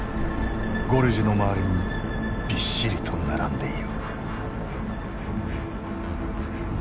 ゴルジュの周りにびっしりと並んでいる。